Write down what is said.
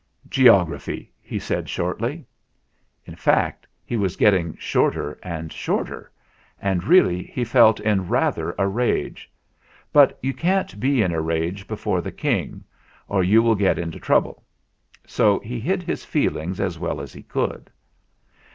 "Geography," he said shortly. In fact, he was getting shorter and shorter, and really he felt in rather a rage. But you can't be in a rage before the King, or you will get into trouble; so he hid his feelings as well as he could.